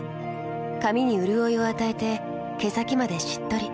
髪にうるおいを与えて毛先までしっとり。